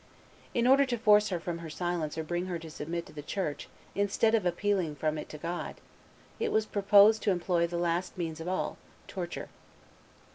In order to force her from her silence or bring her to submit to the Church instead of appealing from it to God, it was proposed to employ the last means of all, torture.